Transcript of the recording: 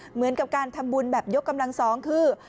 เหมือนกับการทำบุญแบบยกกำลังสองคือ